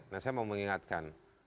nah saya mau mengingatkan